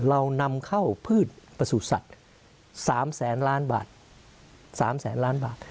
เรานำเข้าพืชประสูจนสัตว์๓แสนล้านบาท๓แสนล้านบาท